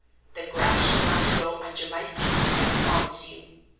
The grass shall not grow under my feet, I promise you.